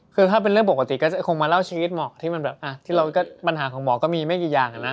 คือถ้าเป็นเรื่องปกติก็คงมาเล่าชีวิตหมอที่มันแบบปัญหาของหมอก็มีไม่กี่อย่างอะนะ